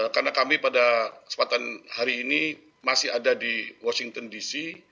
karena kami pada kesempatan hari ini masih ada di washington dc